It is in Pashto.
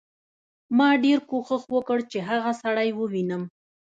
ما ډېر کوښښ وکړ چې هغه سړی ووینم